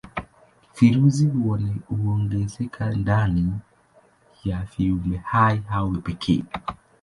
Virusi huongezeka ndani ya viumbehai hao pekee.